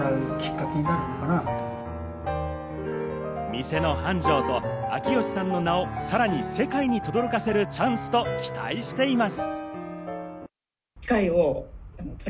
店の繁盛と穐吉さんの名をさらに世界にとどろかせるチャンスと期待しています。